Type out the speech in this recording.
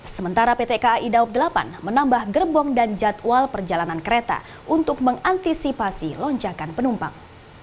sementara pt kai daup delapan menambah gerbong dan jadwal perjalanan kereta untuk mengantisipasi lonjakan penumpang